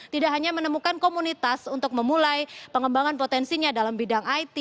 tidak hanya menemukan komunitas untuk memulai pengembangan potensinya dalam bidang it